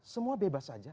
semua bebas saja